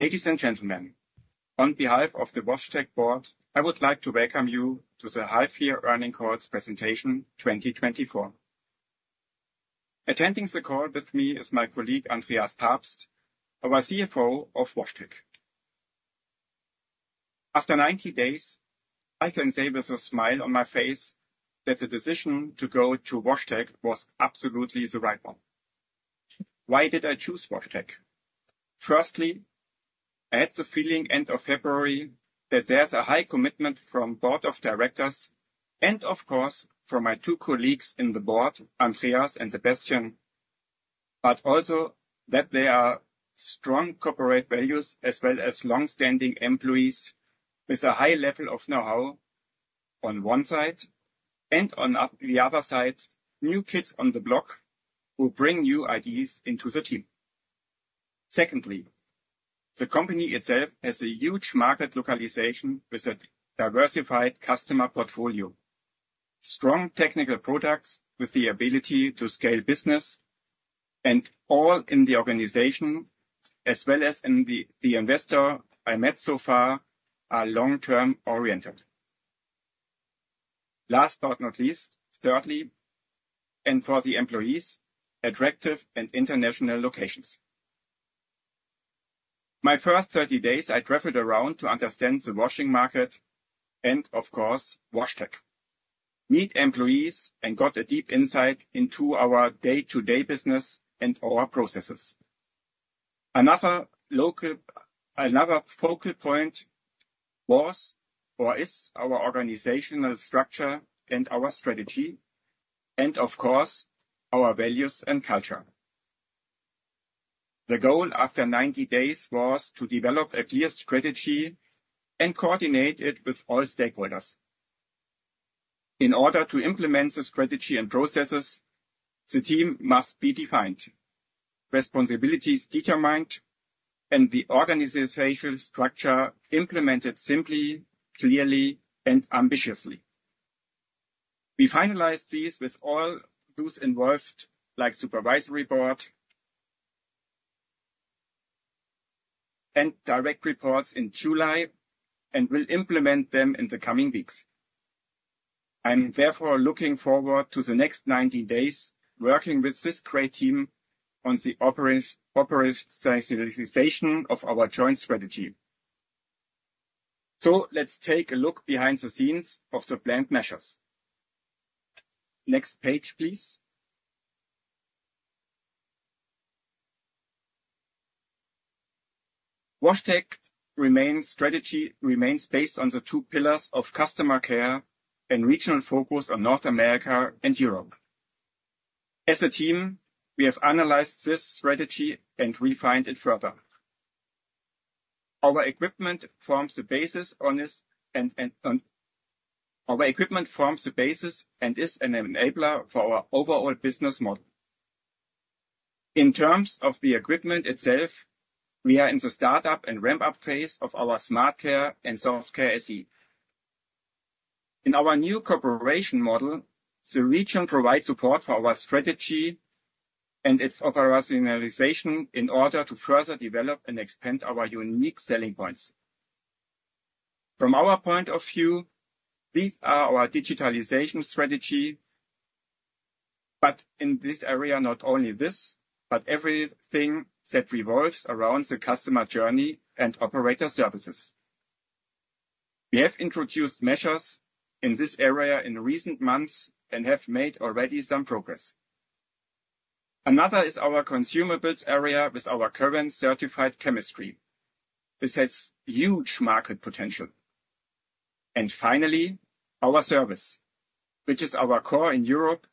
Ladies and gentlemen, on behalf of the WashTec board, I would like to welcome you to the half-year earnings call presentation 2024. Attending the call with me is my colleague, Andreas Pabst, our CFO of WashTec. After 90 days, I can say with a smile on my face that the decision to go to WashTec was absolutely the right one. Why did I choose WashTec? Firstly, I had the feeling end of February that there's a high commitment from board of directors and, of course, from my two colleagues in the board, Andreas and Sebastian, but also that there are strong corporate values as well as long-standing employees with a high level of know-how on one side, and on the other side, new kids on the block who bring new ideas into the team. Secondly, the company itself has a huge market localization with a diversified customer portfolio, strong technical products with the ability to scale business and all in the organization, as well as in the, the investor I met so far, are long-term oriented. Last but not least, thirdly, and for the employees, attractive and international locations. My first 30 days, I traveled around to understand the washing market and, of course, WashTec, meet employees, and got a deep insight into our day-to-day business and our processes. Another focal point was or is our organizational structure and our strategy, and of course, our values and culture. The goal after 90 days was to develop a clear strategy and coordinate it with all stakeholders. In order to implement the strategy and processes, the team must be defined, responsibilities determined, and the organizational structure implemented simply, clearly, and ambitiously. We finalized these with all those involved, like supervisory board, and direct reports in July, and will implement them in the coming weeks. I'm therefore looking forward to the next 90 days, working with this great team on the operationalization of our joint strategy. So let's take a look behind the scenes of the planned measures. Next page, please. WashTec remains strategy, remains based on the two pillars of customer care and regional focus on North America and Europe. As a team, we have analyzed this strategy and refined it further. Our equipment forms the basis on this and is an enabler for our overall business model. In terms of the equipment itself, we are in the start-up and ramp-up phase of our SmartCare and SoftCare SE. In our new cooperation model, the region provides support for our strategy and its operationalization in order to further develop and expand our unique selling points. From our point of view, these are our digitalization strategy, but in this area, not only this, but everything that revolves around the customer journey and operator services. We have introduced measures in this area in recent months and have made already some progress. Another is our consumables area with our current certified chemistry. This has huge market potential. And finally, our service, which is our core in Europe,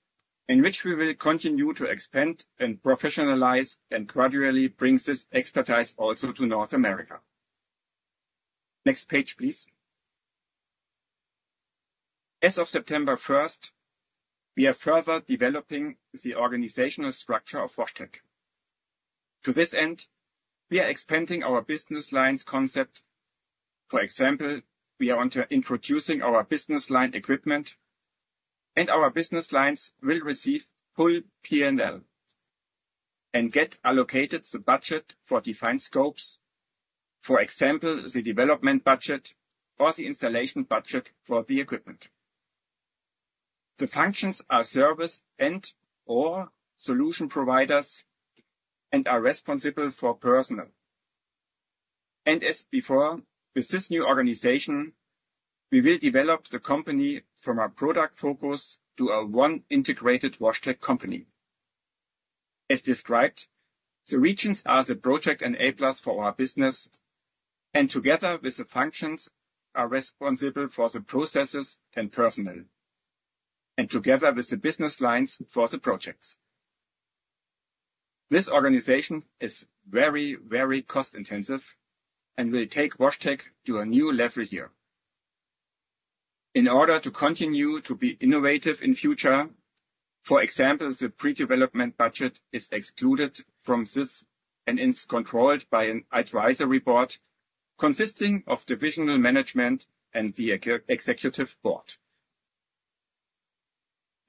in which we will continue to expand and professionalize and gradually bring this expertise also to North America. Next page, please. As of September first, we are further developing the organizational structure of WashTec. To this end, we are expanding our business lines concept. For example, we are onto introducing our Business Line Equipment , and our business lines will receive full P&L and get allocated the budget for defined scopes. For example, the development budget or the installation budget for the equipment. The functions are service and/or solution providers and are responsible for personnel. And as before, with this new organization, we will develop the company from a product focus to a one integrated WashTec company. As described, the regions are the project enablers for our business, and together with the functions, are responsible for the processes and personnel, and together with the business lines for the projects. This organization is very, very cost intensive and will take WashTec to a new level here. In order to continue to be innovative in future, for example, the pre-development budget is excluded from this, and it's controlled by an advisory board consisting of divisional management and the executive board…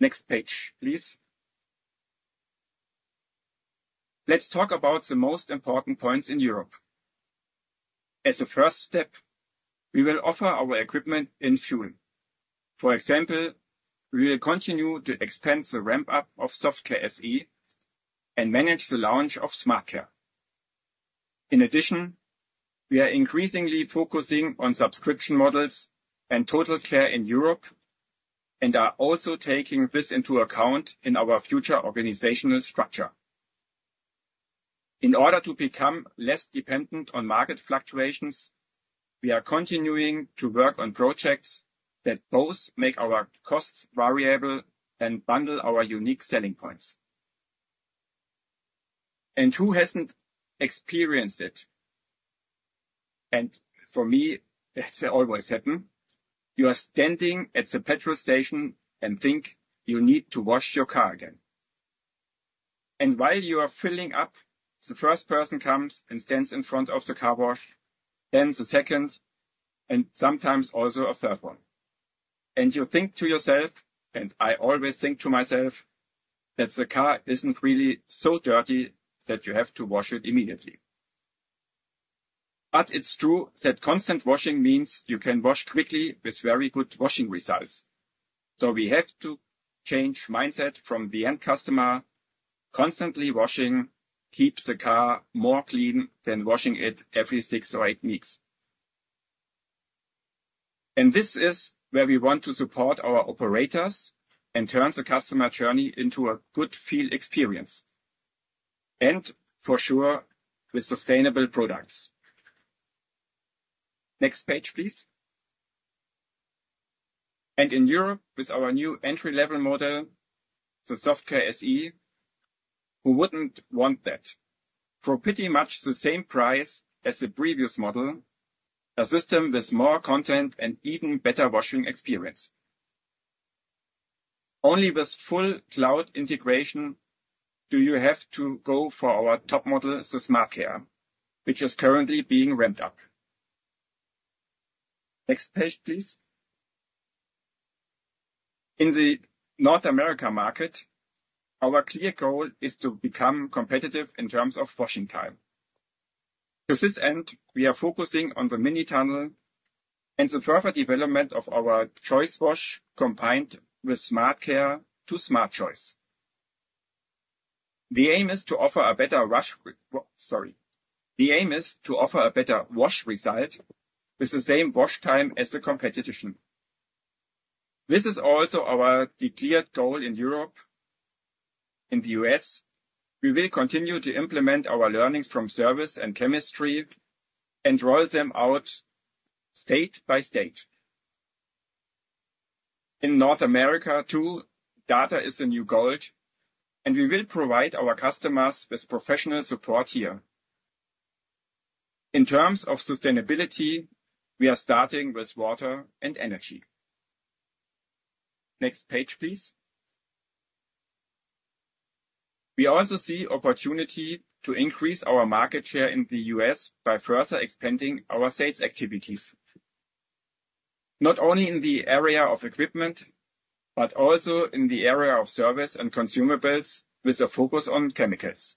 Next page, please. Let's talk about the most important points in Europe. As a first step, we will offer our equipment in fuel. For example, we will continue to expand the ramp-up of SoftCare SE and manage the launch of SmartCare. In addition, we are increasingly focusing on subscription models and TotalCare in Europe, and are also taking this into account in our future organizational structure. In order to become less dependent on market fluctuations, we are continuing to work on projects that both make our costs variable and bundle our unique selling points. And who hasn't experienced it? And for me, it's always happen. You are standing at the petrol station and think you need to wash your car again. While you are filling up, the first person comes and stands in front of the car wash, then the second, and sometimes also a third one. You think to yourself, and I always think to myself, that the car isn't really so dirty that you have to wash it immediately. It's true that constant washing means you can wash quickly with very good washing results. We have to change mindset from the end customer. Constantly washing keeps the car more clean than washing it every six or eight weeks. This is where we want to support our operators and turn the customer journey into a good field experience, and for sure, with sustainable products. Next page, please. And in Europe, with our new entry-level model, the SoftCare SE, who wouldn't want that? For pretty much the same price as the previous model, a system with more content and even better washing experience. Only with full cloud integration do you have to go for our top model, the SmartCare, which is currently being ramped up. Next page, please. In the North America market, our clear goal is to become competitive in terms of washing time. To this end, we are focusing on the mini-tunnel and the further development of our ChoiceWash, combined with SmartCare to Smart Choice. The aim is to offer a better wash result with the same wash time as the competition. This is also our declared goal in Europe. In the U.S., we will continue to implement our learnings from service and chemistry, and roll them out state by state. In North America, too, data is the new gold, and we will provide our customers with professional support here. In terms of sustainability, we are starting with water and energy. Next page, please. We also see opportunity to increase our market share in the U.S. by further expanding our sales activities, not only in the area of equipment, but also in the area of service and consumables, with a focus on chemicals.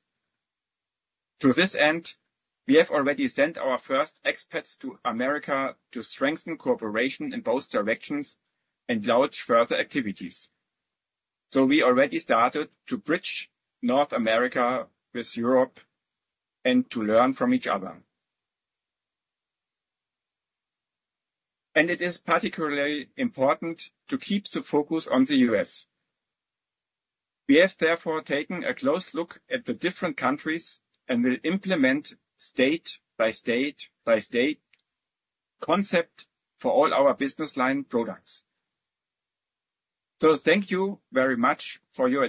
To this end, we have already sent our first expats to America to strengthen cooperation in both directions and launch further activities. We already started to bridge North America with Europe and to learn from each other. It is particularly important to keep the focus on the U.S. We have therefore taken a close look at the different countries and will implement state by state by state concept for all our business line products. Thank you very much for your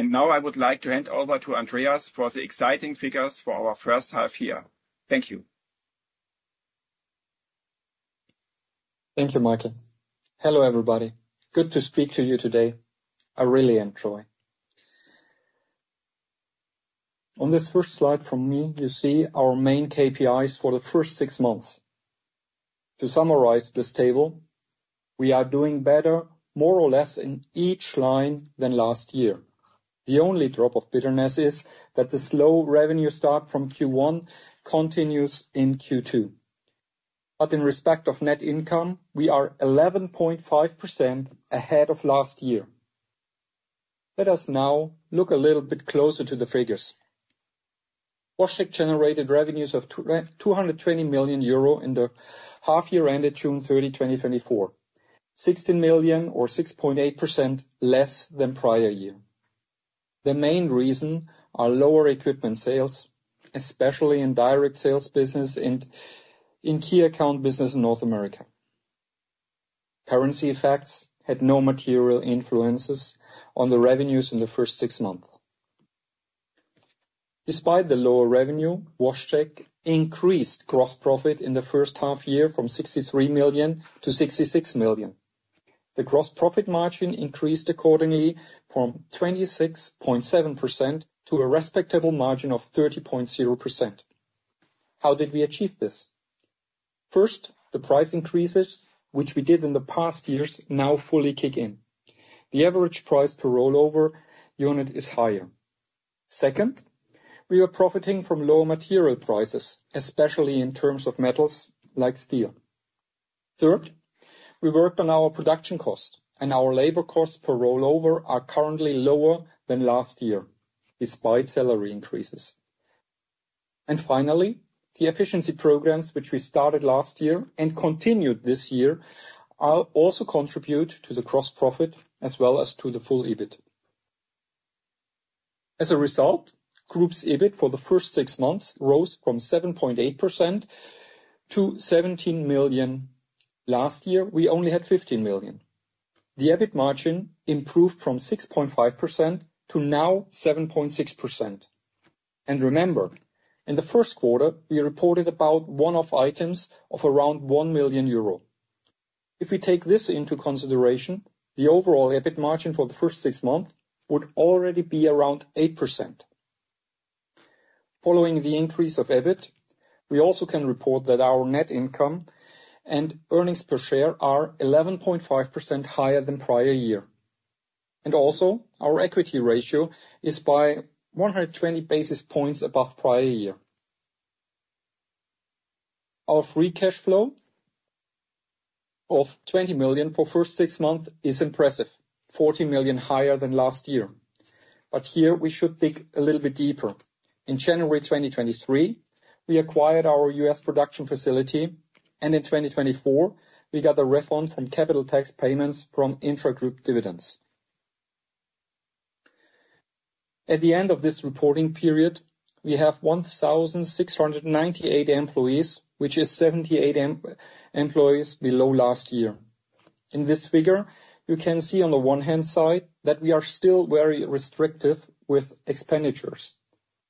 attention so far. Now I would like to hand over to Andreas for the exciting figures for our first half year. Thank you. Thank you, Michael. Hello, everybody. Good to speak to you today. I really enjoy. On this first slide from me, you see our main KPIs for the first six months. To summarize this table, we are doing better, more or less, in each line than last year. The only drop of bitterness is that the slow revenue start from Q1 continues in Q2. But in respect of net income, we are 11.5% ahead of last year. Let us now look a little bit closer to the figures. WashTec generated revenues of 220 million euro in the half year ended June 30, 2024, 16 million or 6.8% less than prior year. The main reason are lower equipment sales, especially in direct sales business and in key account business in North America. Currency effects had no material influences on the revenues in the first six months. Despite the lower revenue, WashTec increased gross profit in the first half year from 63 million to 66 million. The gross profit margin increased accordingly from 26.7% to a respectable margin of 30.0%.... How did we achieve this? First, the price increases, which we did in the past years, now fully kick in. The average price per rollover unit is higher. Second, we are profiting from lower material prices, especially in terms of metals, like steel. Third, we worked on our production cost, and our labor costs per rollover are currently lower than last year, despite salary increases. And finally, the efficiency programs, which we started last year and continued this year, are also contribute to the gross profit as well as to the full EBIT. As a result, the group's EBIT for the first 6 months rose from 7.8% to 17 million. Last year, we only had 15 million. The EBIT margin improved from 6.5% to now 7.6%. Remember, in the first quarter, we reported about one-off items of around 1 million euro. If we take this into consideration, the overall EBIT margin for the first 6 months would already be around 8%. Following the increase of EBIT, we also can report that our net income and earnings per share are 11.5% higher than prior year. Our equity ratio is by 120 basis points above prior year. Our free cash flow of 20 million for first 6 months is impressive, 40 million higher than last year. Here we should dig a little bit deeper. In January 2023, we acquired our U.S. production facility, and in 2024, we got a refund from capital tax payments from intragroup dividends. At the end of this reporting period, we have 1,698 employees, which is 78 employees below last year. In this figure, you can see on the one hand side, that we are still very restrictive with expenditures.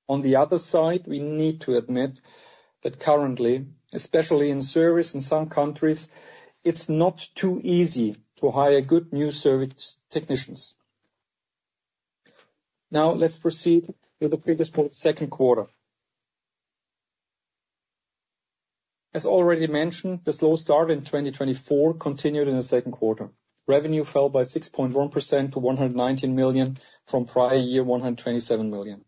On the other side, we need to admit that currently, especially in service in some countries, it's not too easy to hire good new service technicians. Now, let's proceed to the previous quarter, second quarter. As already mentioned, the slow start in 2024 continued in the second quarter. Revenue fell by 6.1% to 119 million, from prior year, 127 million.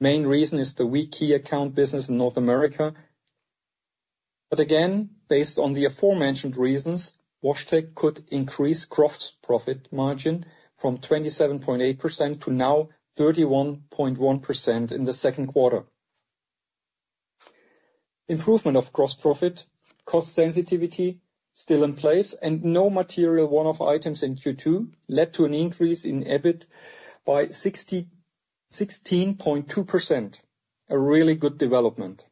Main reason is the weak key account business in North America. But again, based on the aforementioned reasons, WashTec could increase gross profit margin from 27.8% to now 31.1% in the second quarter. Improvement of gross profit, cost sensitivity still in place, and no material one-off items in Q2 led to an increase in EBIT by 66.2%, a really good development.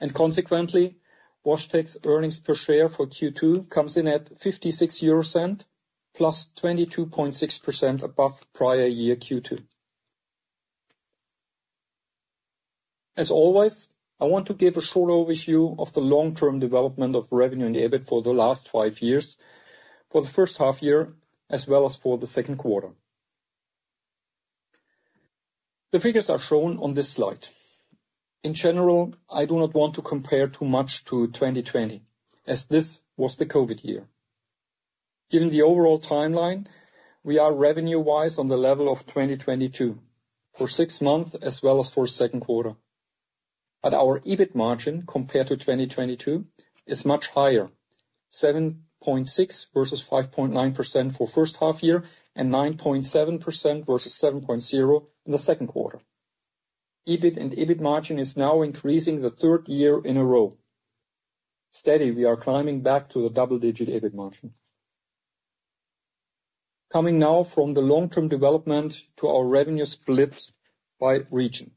And consequently, WashTec's earnings per share for Q2 comes in at 0.56, +22.6% above the prior year Q2. As always, I want to give a short overview of the long-term development of revenue and EBIT for the last 5 years, for the first half year, as well as for the second quarter. The figures are shown on this slide. In general, I do not want to compare too much to 2020, as this was the COVID year. Given the overall timeline, we are revenue-wise on the level of 2022 for six months, as well as for second quarter. But our EBIT margin compared to 2022 is much higher, 7.6% versus 5.9% for first half year, and 9.7% versus 7.0% in the second quarter. EBIT and EBIT margin is now increasing the third year in a row. Steady, we are climbing back to the double-digit EBIT margin. Coming now from the long-term development to our revenue split by region.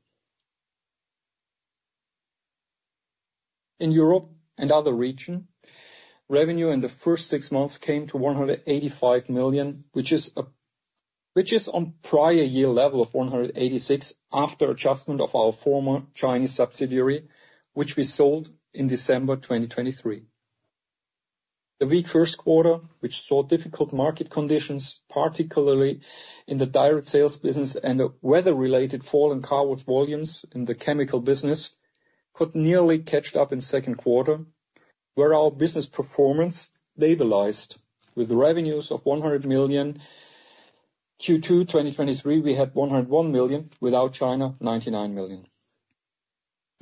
In Europe and other region, revenue in the first six months came to 185 million, which is, which is on prior year level of 186 million, after adjustment of our former Chinese subsidiary, which we sold in December 2023. The weak first quarter, which saw difficult market conditions, particularly in the direct sales business and the weather-related fall in car wash volumes in the chemical business, could nearly caught up in second quarter, where our business performance stabilized with revenues of 100 million. Q2 2023, we had 101 million, without China, 99 million.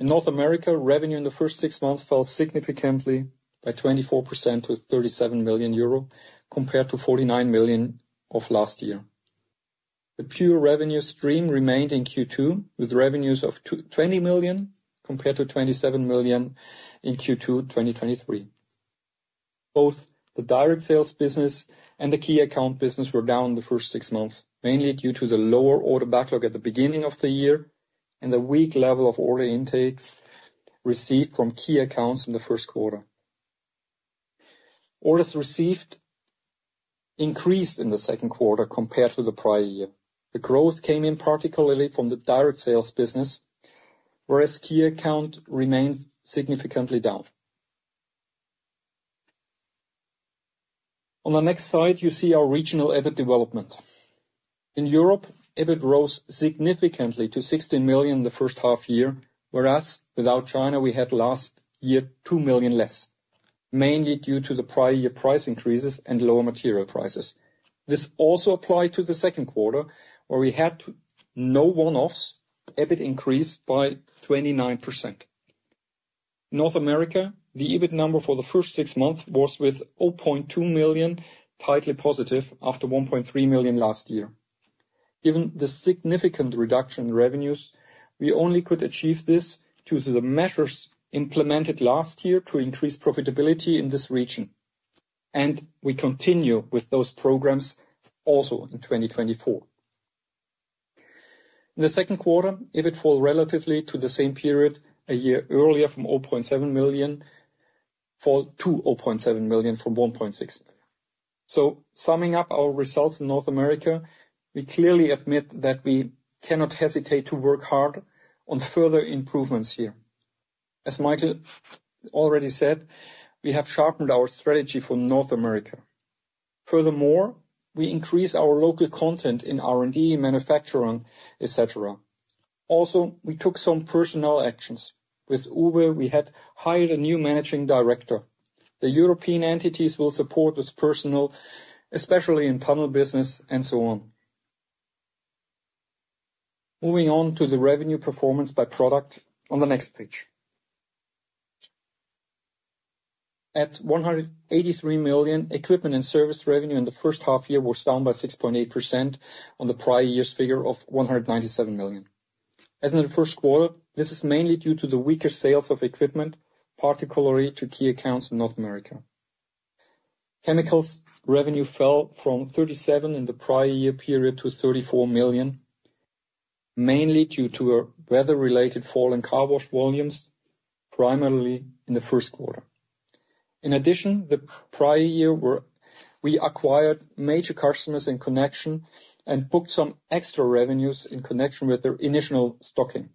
In North America, revenue in the first six months fell significantly by 24% to 37 million euro, compared to 49 million of last year. The pure revenue stream remained in Q2, with revenues of 20 million compared to 27 million in Q2 2023. Both the direct sales business and the key account business were down in the first six months, mainly due to the lower order backlog at the beginning of the year and the weak level of order intakes received from key accounts in the first quarter. Orders received increased in the second quarter compared to the prior year. The growth came in particularly from the direct sales business, whereas key account remained significantly down. On the next slide, you see our regional EBIT development. In Europe, EBIT rose significantly to 16 million in the first half year, whereas without China, we had last year 2 million less, mainly due to the prior year price increases and lower material prices. This also applied to the second quarter, where we had no one-offs, EBIT increased by 29%. North America, the EBIT number for the first six months was with 0.2 million, slightly positive after 1.3 million last year. Given the significant reduction in revenues, we only could achieve this due to the measures implemented last year to increase profitability in this region, and we continue with those programs also in 2024. In the second quarter, EBIT fell relatively to the same period a year earlier, from 0.7 million, fell to 0.7 million from 1.6 million. So summing up our results in North America, we clearly admit that we cannot hesitate to work hard on further improvements here. As Michael already said, we have sharpened our strategy for North America. Furthermore, we increase our local content in R&D, manufacturing, et cetera. Also, we took some personnel actions. With Huber, we had hired a new managing director. The European entities will support this personnel, especially in tunnel business and so on. Moving on to the revenue performance by product on the next page. At 183 million, equipment and service revenue in the first half year was down by 6.8% on the prior year's figure of 197 million. As in the first quarter, this is mainly due to the weaker sales of equipment, particularly to key accounts in North America. Chemicals revenue fell from 37 million in the prior year period to 34 million, mainly due to a weather-related fall in car wash volumes, primarily in the first quarter. In addition, the prior year were, we acquired major customers in connection and booked some extra revenues in connection with their initial stocking.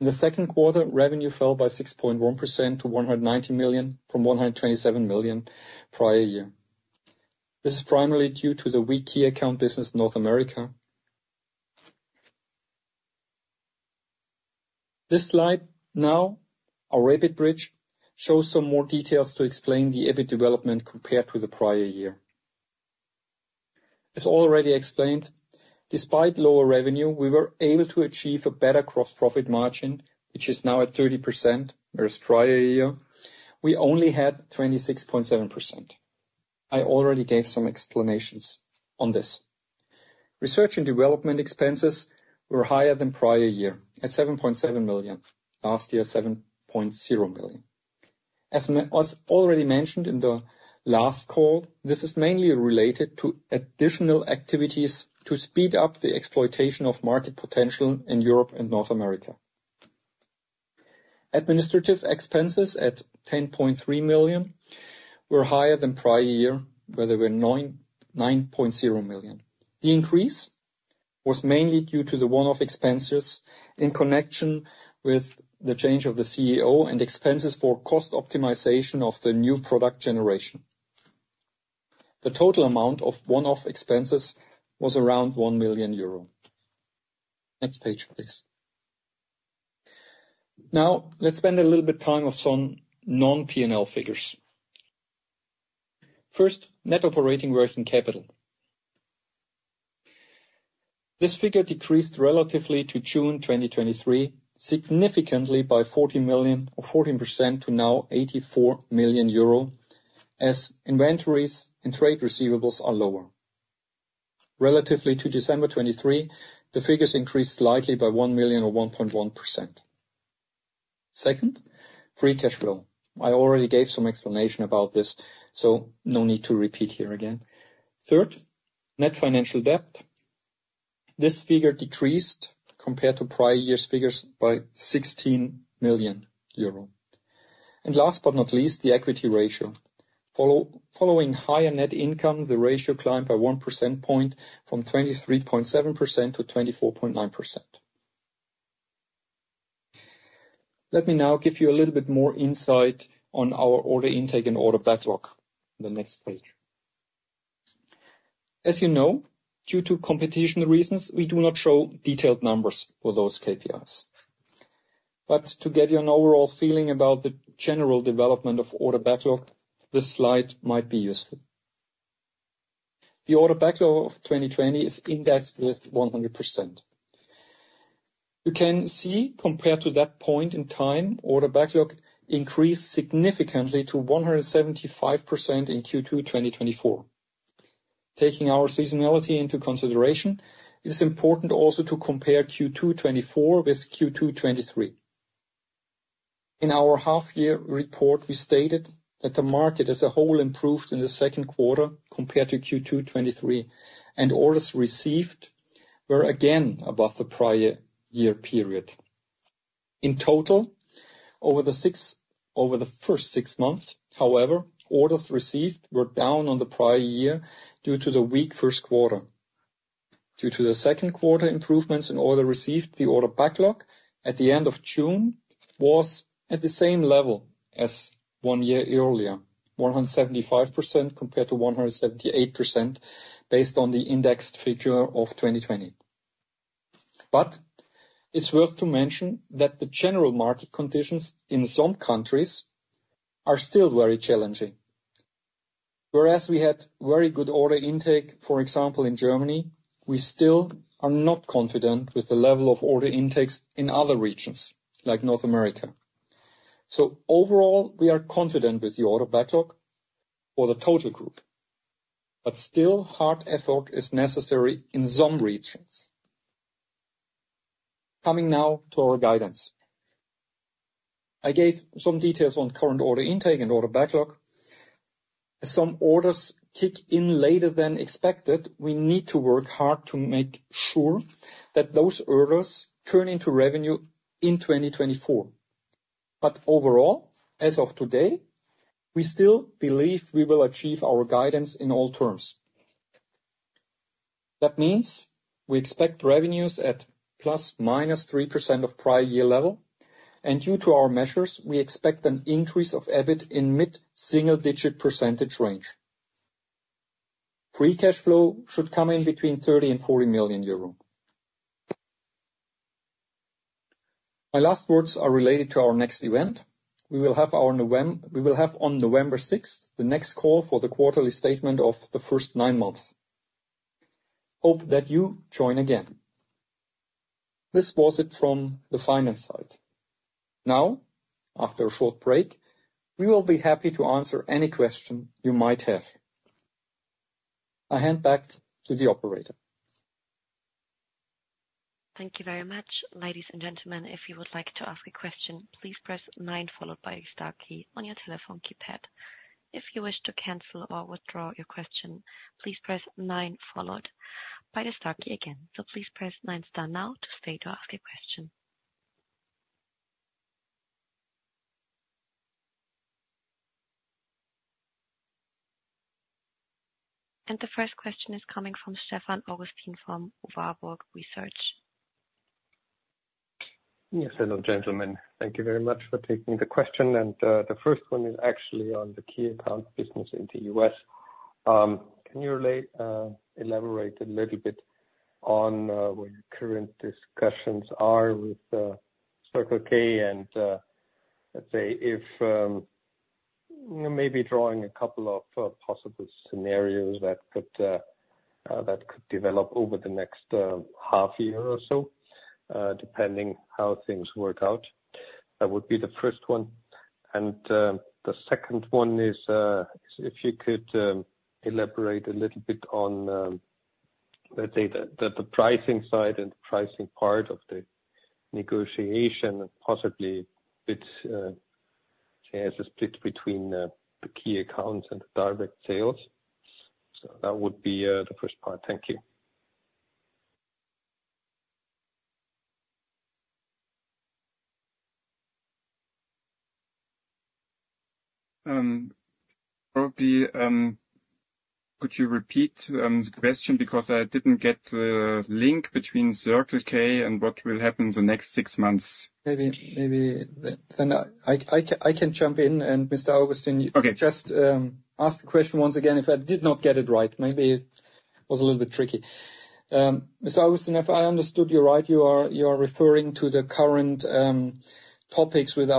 In the second quarter, revenue fell by 6.1% to 190 million from 127 million prior year. This is primarily due to the weak key account business in North America. This slide, now, our EBIT bridge, shows some more details to explain the EBIT development compared to the prior year. As already explained, despite lower revenue, we were able to achieve a better gross profit margin, which is now at 30%, whereas prior year, we only had 26.7%. I already gave some explanations on this. Research and development expenses were higher than prior year, at 7.7 million. Last year, 7.0 million. As already mentioned in the last call, this is mainly related to additional activities to speed up the exploitation of market potential in Europe and North America. Administrative expenses at 10.3 million were higher than prior year, where they were 9.0 million. The increase was mainly due to the one-off expenses in connection with the change of the CEO and expenses for cost optimization of the new product generation. The total amount of one-off expenses was around 1 million euro. Next page, please. Now, let's spend a little bit time on some non-P&L figures. First, net operating working capital. This figure decreased relatively to June 2023, significantly by 40 million or 14% to now 84 million euro, as inventories and trade receivables are lower. Relatively to December 2023, the figures increased slightly by 1 million or 1.1%. Second, free cash flow. I already gave some explanation about this, so no need to repeat here again. Third, net financial debt. This figure decreased compared to prior years' figures, by 16 million euro. And last but not least, the equity ratio. Following higher net income, the ratio climbed by one percentage point from 23.7% to 24.9%. Let me now give you a little bit more insight on our order intake and order backlog, the next page. As you know, due to competition reasons, we do not show detailed numbers for those KPIs. But to get you an overall feeling about the general development of order backlog, this slide might be useful. The order backlog of 2020 is indexed with 100%. You can see, compared to that point in time, order backlog increased significantly to 175% in Q2 2024. Taking our seasonality into consideration, it is important also to compare Q2 2024 with Q2 2023. In our half year report, we stated that the market as a whole improved in the second quarter compared to Q2 2023, and orders received were again above the prior year period. In total, over the first six months, however, orders received were down on the prior year due to the weak first quarter. Due to the second quarter improvements in order received, the order backlog at the end of June was at the same level as one year earlier, 175% compared to 178%, based on the indexed figure of 2020. But it's worth to mention that the general market conditions in some countries are still very challenging. Whereas we had very good order intake, for example, in Germany, we still are not confident with the level of order intakes in other regions, like North America. So overall, we are confident with the order backlog for the total group, but still, hard effort is necessary in some regions. Coming now to our guidance. I gave some details on current order intake and order backlog. Some orders kick in later than expected. We need to work hard to make sure that those orders turn into revenue in 2024. But overall, as of today, we still believe we will achieve our guidance in all terms. That means we expect revenues at ±3% of prior year level, and due to our measures, we expect an increase of EBIT in mid-single-digit percentage range. Free cash flow should come in between 30 million and 40 million euro. My last words are related to our next event. We will have on November sixth, the next call for the quarterly statement of the first nine months. Hope that you join again. This was it from the finance side. Now, after a short break, we will be happy to answer any question you might have. I hand back to the operator. Thank you very much. Ladies and gentlemen, if you would like to ask a question, please press nine, followed by the star key on your telephone keypad. If you wish to cancel or withdraw your question, please press nine, followed by the star key again. So please press nine star now to stay to ask a question. The first question is coming from Stefan Augustin from Warburg Research. Yes, hello, gentlemen. Thank you very much for taking the question, and the first one is actually on the key account business in the U.S. Can you elaborate a little bit on where your current discussions are with Circle K, and let's say if maybe drawing a couple of possible scenarios that could develop over the next half year or so, depending how things work out? That would be the first one. The second one is if you could elaborate a little bit on, let's say, the pricing side and pricing part of the negotiation, and possibly the share split between the key accounts and the direct sales. That would be the first part. Thank you. Probably, could you repeat the question? Because I didn't get the link between Circle K and what will happen in the next six months. Maybe, then I can jump in, and Mr. Augustin- Okay. Just ask the question once again, if I did not get it right, maybe it was a little bit tricky. Mr. Augustin, if I understood you right, you are referring to the current topics with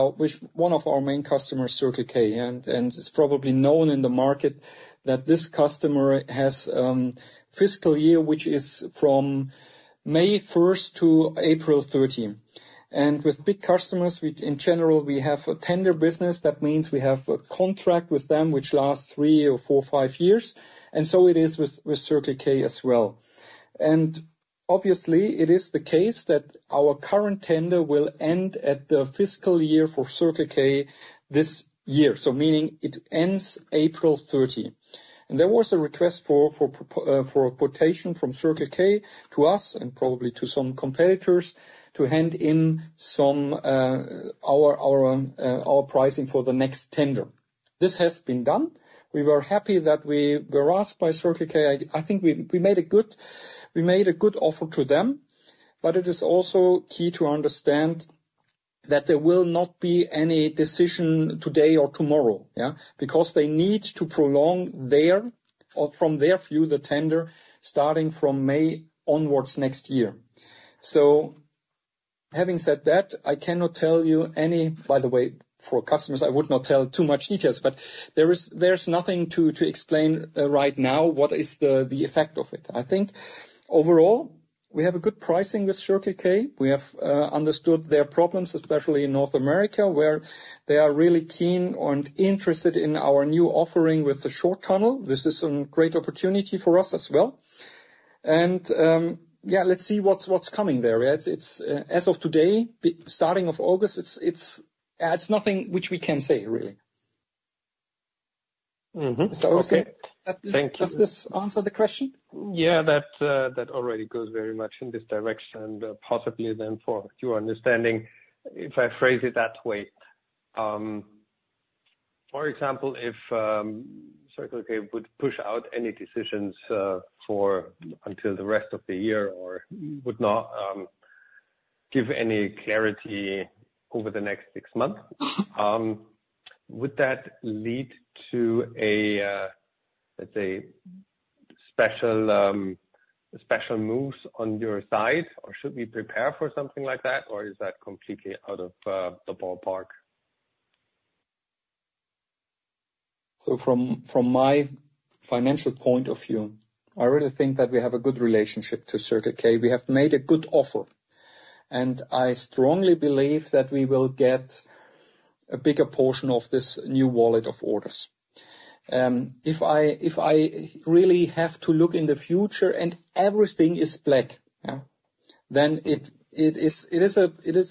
one of our main customers, Circle K. And it's probably known in the market that this customer has fiscal year, which is from May 1 to April 30. With big customers, we, in general, have a tender business. That means we have a contract with them which lasts three or four, five years, and so it is with Circle K as well. Obviously, it is the case that our current tender will end at the fiscal year for Circle K this year, so meaning it ends April 30. There was a request for a quotation from Circle K to us, and probably to some competitors, to hand in some of our pricing for the next tender. This has been done. We were happy that we were asked by Circle K. I think we made a good offer to them, but it is also key to understand that there will not be any decision today or tomorrow, yeah? Because they need to prolong their, or from their view, the tender, starting from May onwards next year. Having said that, I cannot tell you any... By the way, for customers, I would not tell too much details, but there's nothing to explain right now, what is the effect of it. I think overall, we have a good pricing with Circle K. We have understood their problems, especially in North America, where they are really keen and interested in our new offering with the short tunnel. This is some great opportunity for us as well, and yeah, let's see what's coming there. It's as of today, beginning of August, it's nothing which we can say, really. Mm-hmm. Okay. Thank you. Does this answer the question? Yeah, that already goes very much in this direction, and possibly then for your understanding, if I phrase it that way. For example, if Circle K would push out any decisions for until the rest of the year or would not give any clarity over the next six months, would that lead to a, let's say, special moves on your side? Or should we prepare for something like that, or is that completely out of the ballpark? So from my financial point of view, I really think that we have a good relationship to Circle K. We have made a good offer, and I strongly believe that we will get a bigger portion of this new wallet of orders. If I really have to look in the future and everything is black, yeah, then it is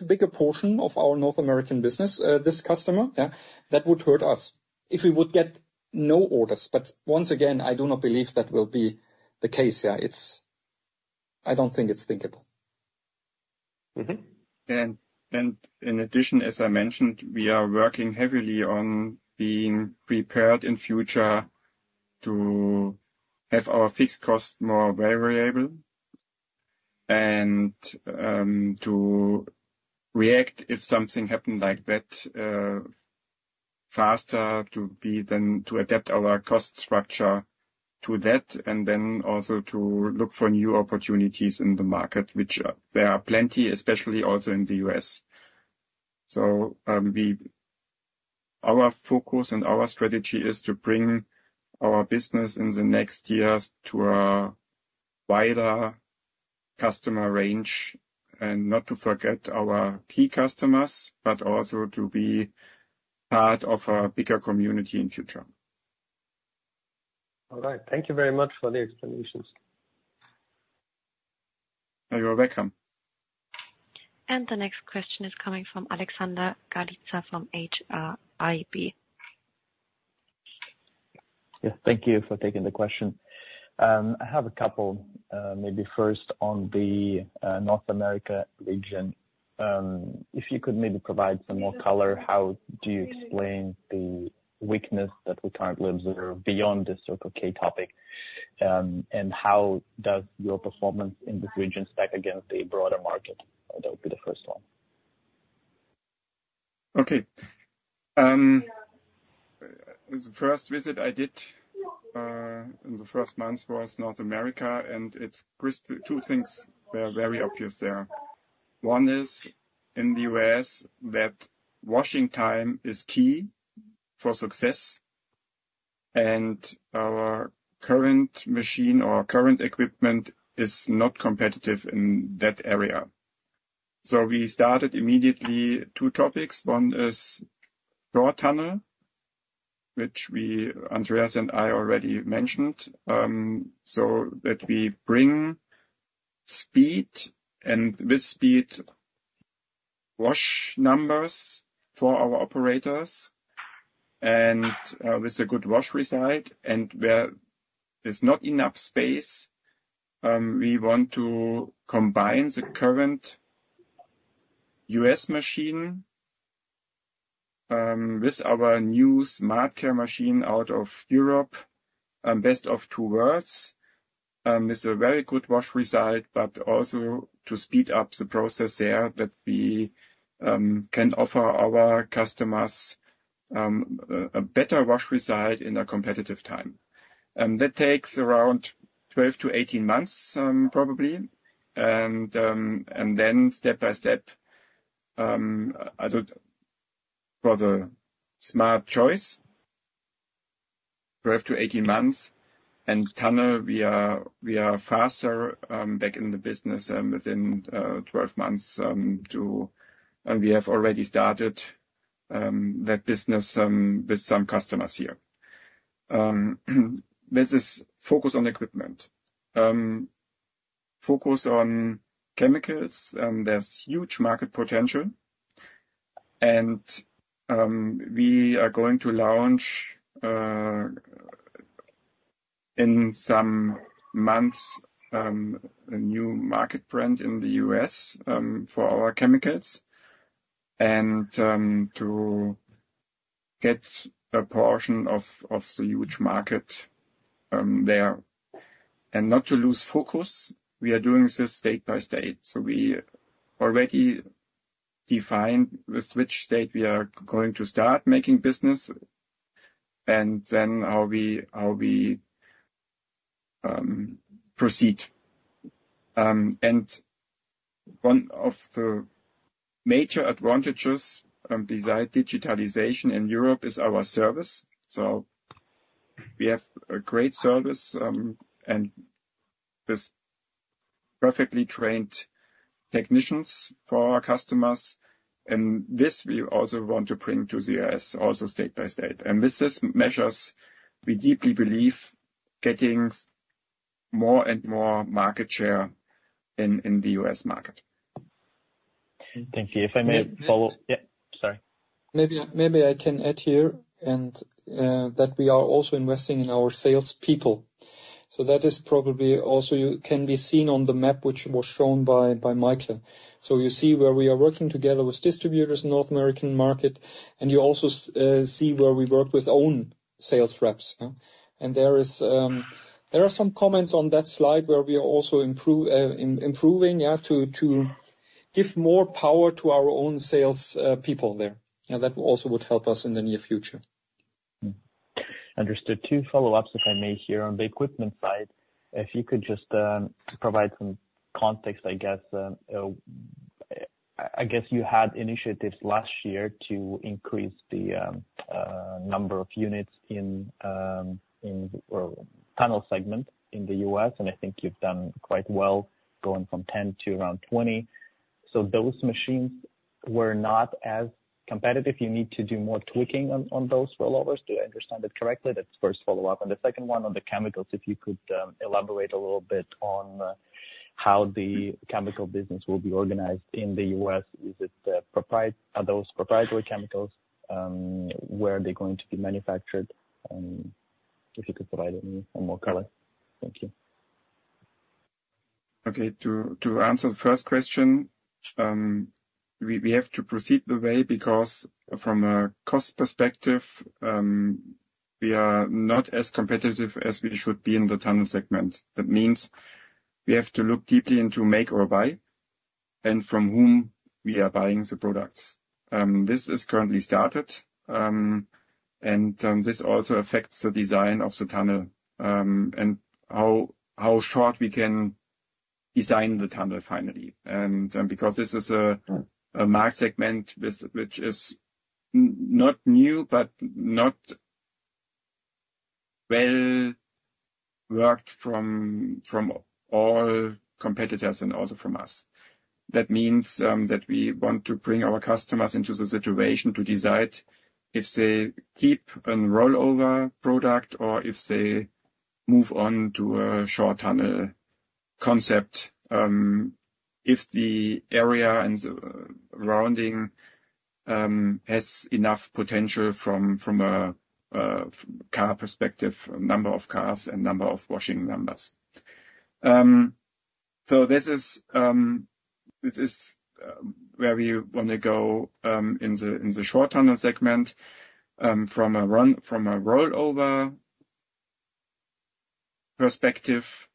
a bigger portion of our North American business, this customer, yeah, that would hurt us if we would get no orders. But once again, I do not believe that will be the case here. I don't think it's thinkable. Mm-hmm. In addition, as I mentioned, we are working heavily on being prepared in future to have our fixed cost more variable and to react if something happened like that faster to be then to adapt our cost structure to that, and then also to look for new opportunities in the market, which there are plenty, especially also in the US. So, our focus and our strategy is to bring our business in the next years to a wider customer range, and not to forget our key customers, but also to be part of a bigger community in future. All right. Thank you very much for the explanations. You're welcome. The next question is coming from Alexander Galitsa, from HRIB. Yeah, thank you for taking the question. I have a couple, maybe first on the North America region. If you could maybe provide some more color, how do you explain the weakness that we currently observe beyond the Circle K topic? And how does your performance in this region stack against the broader market? That would be the first one. Okay. The first visit I did in the first months was North America, and it's crystal clear. Two things were very obvious there. One is in the U.S., that washing time is key for success, and our current machine or current equipment is not competitive in that area. So we started immediately two topics. One is short tunnel, which we, Andreas and I already mentioned, so that we bring speed and with speed, wash numbers for our operators and, with a good wash result. And where there's not enough space, we want to combine the current U.S. machine, with our new SmartCare machine out of Europe, and best of two worlds, with a very good wash result, but also to speed up the process there, that we can offer our customers, a better wash result in a competitive time. That takes around 12-18 months, probably. And then step by step, for the Smart Choice, 12-18 months. And tunnel, we are faster back in the business within 12 months to... And we have already started that business with some customers here. This is focus on equipment. Focus on chemicals, and there's huge market potential. And we are going to launch in some months a new market brand in the US for our chemicals, and to get a portion of the huge market there. And not to lose focus, we are doing this state by state. So we already defined with which state we are going to start making business, and then how we proceed. And one of the major advantages, besides digitalization in Europe, is our service. So we have a great service, and there's perfectly trained technicians for our customers, and this we also want to bring to the US, also state by state. And with these measures, we deeply believe getting more and more market share in the US market. Thank you. If I may follow- Yeah. Sorry. Maybe, maybe I can add here, and that we are also investing in our salespeople.... So that is probably also can be seen on the map, which was shown by Michael. So you see where we are working together with distributors in North American market, and you also see where we work with own sales reps, yeah? And there are some comments on that slide where we are also improving, yeah, to give more power to our own sales people there. And that also would help us in the near future. Mm-hmm. Understood. Two follow-ups, if I may here. On the equipment side, if you could just provide some context, I guess you had initiatives last year to increase the number of units in our tunnel segment in the U.S., and I think you've done quite well, going from 10 to around 20. So those machines were not as competitive. You need to do more tweaking on those rollovers. Do I understand that correctly? That's the first follow-up. And the second one, on the chemicals, if you could elaborate a little bit on how the chemical business will be organized in the U.S. Is it, are those proprietary chemicals? Where are they going to be manufactured? If you could provide any more color. Thank you. Okay, to answer the first question, we have to proceed the way, because from a cost perspective, we are not as competitive as we should be in the tunnel segment. That means we have to look deeply into make or buy, and from whom we are buying the products. This is currently started, and this also affects the design of the tunnel, and how short we can design the tunnel finally. And because this is a market segment which is not new, but not well worked from all competitors and also from us. That means that we want to bring our customers into the situation to decide if they keep a rollover product or if they move on to a short-tunnel concept, if the area and the surrounding has enough potential from a car perspective, number of cars and number of washing numbers. So this is where we wanna go in the short-tunnel segment. From a rollover perspective,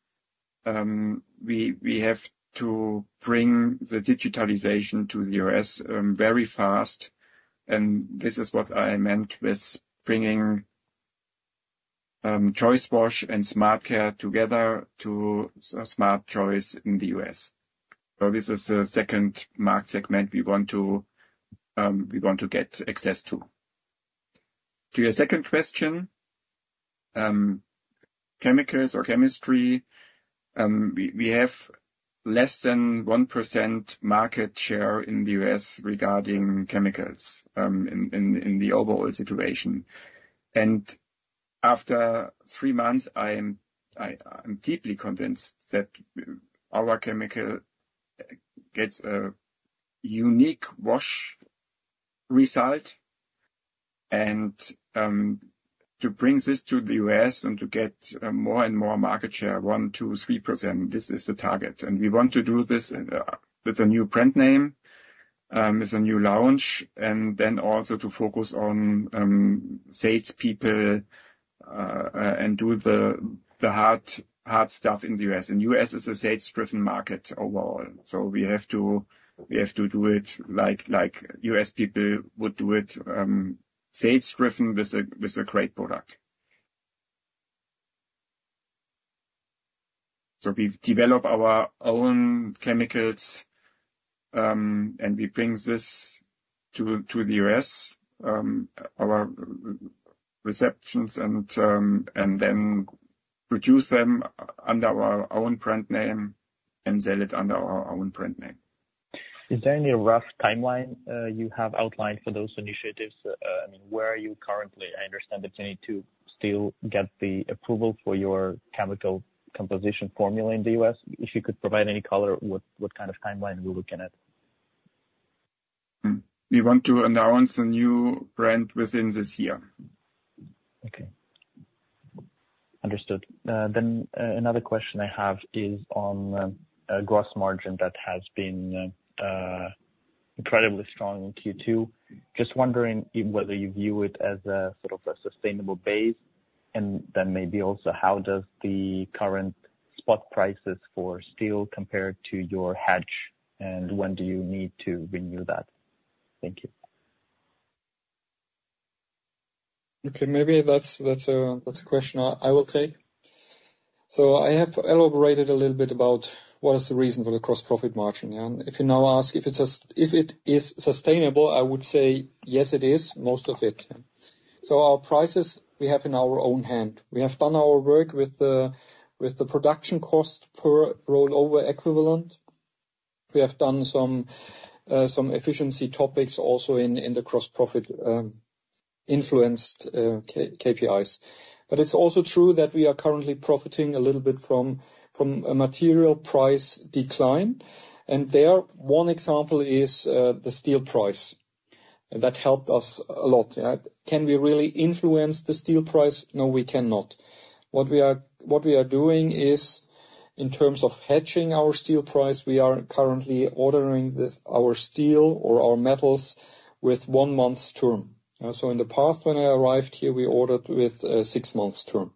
we have to bring the digitalization to the U.S. very fast, and this is what I meant with bringing Choice Wash and Smart Care together to Smart Choice in the U.S. So this is a second market segment we want to get access to. To your second question, chemicals or chemistry, we have less than 1% market share in the US regarding chemicals, in the overall situation. And after three months, I'm deeply convinced that our chemical gets a unique wash result, and to bring this to the US and to get more and more market share, 1, 2, 3%, this is the target. And we want to do this with a new brand name, with a new launch, and then also to focus on salespeople, and do the hard stuff in the US. And US is a sales-driven market overall, so we have to do it like US people would do it, sales-driven with a great product. We've developed our own chemicals, and we bring this to the US, AUWA and then produce them under our own brand name and sell it under our own brand name. Is there any rough timeline you have outlined for those initiatives? I mean, where are you currently? I understand that you need to still get the approval for your chemical composition formula in the U.S. If you could provide any color, what kind of timeline we're looking at? Hmm. We want to announce a new brand within this year. Okay. Understood. Then, another question I have is on gross margin that has been incredibly strong in Q2. Just wondering whether you view it as a sort of a sustainable base, and then maybe also, how does the current spot prices for steel compare to your hedge, and when do you need to renew that? Thank you. Okay, maybe that's a question I will take. So I have elaborated a little bit about what is the reason for the gross profit margin, and if you now ask if it is sustainable, I would say yes, it is, most of it. So our prices, we have in our own hand. We have done our work with the production cost per rollover equivalent. We have done some efficiency topics also in the gross profit influenced KPIs. But it's also true that we are currently profiting a little bit from a material price decline, and there, one example is the steel price, and that helped us a lot, yeah? Can we really influence the steel price? No, we cannot. What we are, what we are doing is, in terms of hedging our steel price, we are currently ordering this, our steel or our metals, with one month's term. So in the past, when I arrived here, we ordered with a six months term.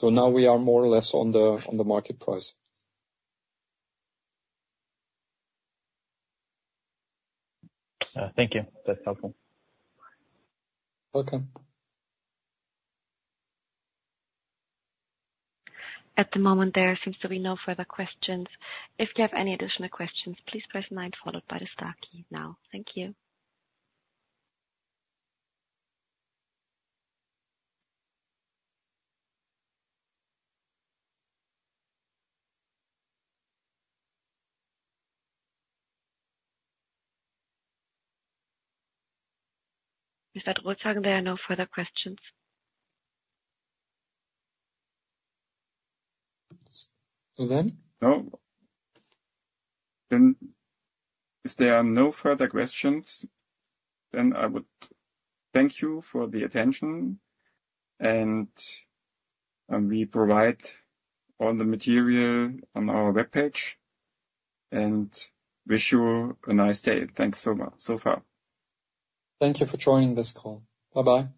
So now we are more or less on the, on the market price. Thank you. That's helpful. Welcome. At the moment, there seems to be no further questions. If you have any additional questions, please press 9, followed by the star key now. Thank you. Mr. Drolshagen, there are no further questions. If there are no further questions, I would thank you for the attention, and we provide all the material on our webpage, and wish you a nice day. Thanks so much so far. Thank you for joining this call. Bye-bye!